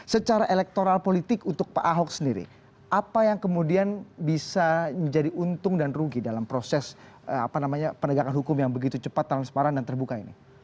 secara elektoral politik untuk pak ahok sendiri apa yang kemudian bisa menjadi untung dan rugi dalam proses penegakan hukum yang begitu cepat transparan dan terbuka ini